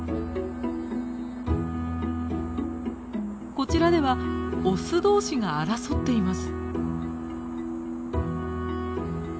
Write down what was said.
こちらではオス同士が争っています。